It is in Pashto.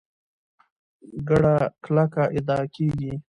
ګړه کلکه ادا کېږي.